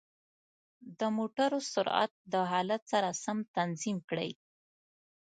د موټرو سرعت د حالت سره سم تنظیم کړئ.